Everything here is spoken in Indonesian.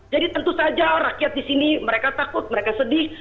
jadi tentu saja rakyat di sini mereka takut mereka sedih